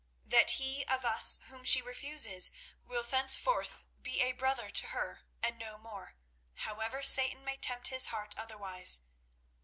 That he of us whom she refuses will thenceforth be a brother to her and no more, however Satan may tempt his heart otherwise.